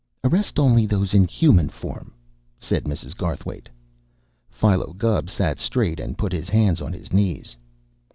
"Arrest only those in human form," said Mrs. Garthwaite. Philo Gubb sat straight and put his hands on his knees.